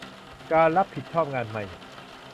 การรับผิดชอบงานใหม่